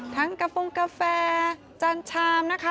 ทั้งกะโฟงกาแฟจางชามนะคะ